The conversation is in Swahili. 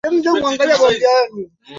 kupata kizuri ijapo kwa hatari fulani